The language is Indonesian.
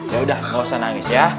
ya udah gak usah nangis ya